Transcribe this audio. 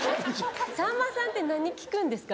さんまさんって何聴くんですか？